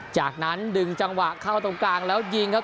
จากนั้นดึงจังหวะเข้าตรงกลางแล้วยิงครับ